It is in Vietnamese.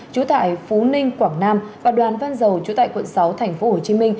trú tại phú ninh quảng nam và đoàn văn dầu chú tại quận sáu tp hcm